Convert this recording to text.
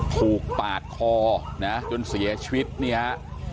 ผูกป่าดคอจนเสียชวิตเนี้ยฮะ